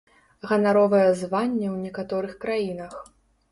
Ганаровае званне ў некаторых краінах.